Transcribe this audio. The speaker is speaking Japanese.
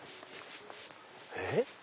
えっ？